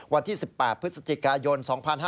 วันที่๑๘พฤศจิกายน๒๕๕๙